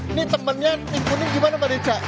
ini temennya tim kuning gimana mbak deca